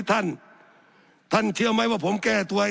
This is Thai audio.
สับขาหลอกกันไปสับขาหลอกกันไป